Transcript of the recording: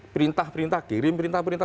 perintah perintah kirim perintah perintah